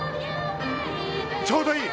ちょうどいい！